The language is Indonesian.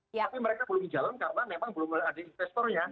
tapi mereka belum jalan karena memang belum ada investornya